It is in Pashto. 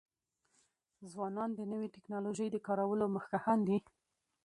ځوانان د نوی ټکنالوژی د کارولو مخکښان دي.